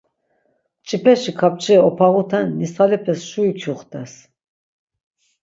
Mç̌ipeşi kapçira opağuten nisalepes şuri kyuxtes!